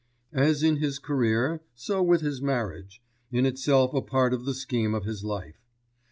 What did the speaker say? As in his career, so with his marriage, in itself a part of the scheme of his life.